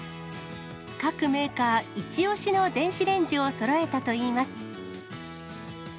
各メーカー一押しの電子レンジをそろえたといいます。